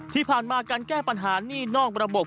ที่ผ่านมาการแก้ปัญหานี่นอกระบบ